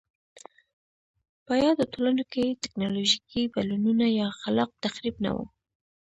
په یادو ټولنو کې ټکنالوژیکي بدلونونه یا خلاق تخریب نه و